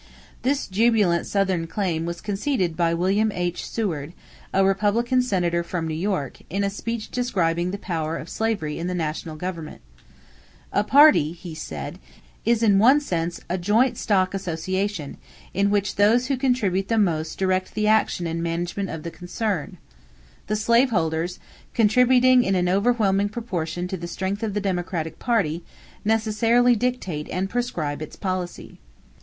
This jubilant Southern claim was conceded by William H. Seward, a Republican Senator from New York, in a speech describing the power of slavery in the national government. "A party," he said, "is in one sense a joint stock association, in which those who contribute most direct the action and management of the concern.... The slaveholders, contributing in an overwhelming proportion to the strength of the Democratic party, necessarily dictate and prescribe its policy."